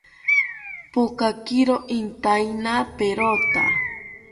Pokakiro intaina perota